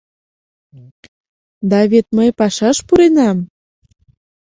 — Да вет мый пашаш пуренам!